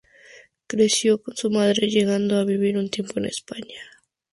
Creció con su madre, llegando a vivir un tiempo en España.